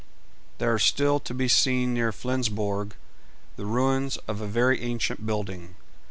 There are still to be seen near Flensborg the ruins of a very ancient building.